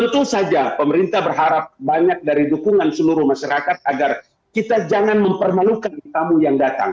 tentu saja pemerintah berharap banyak dari dukungan seluruh masyarakat agar kita jangan mempermalukan tamu yang datang